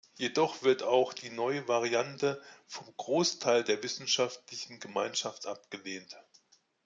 Jedoch wird auch die neue Variante vom Großteil der wissenschaftlichen Gemeinschaft abgelehnt.